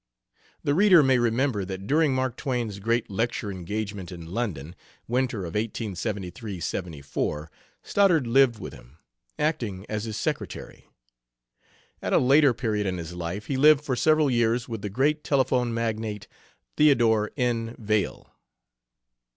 The reader may remember that during Mark Twain's great lecture engagement in London, winter of 1873 74, Stoddard lived with him, acting as his secretary. At a later period in his life he lived for several years with the great telephone magnate, Theodore N. Vail.